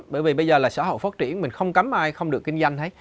bởi vì bây giờ là xã hội phát triển mình không cấm ai không được kinh doanh hết